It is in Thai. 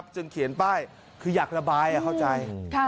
เขียนป้ายคืออยากระบายเข้าใจ